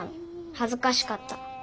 はずかしかった。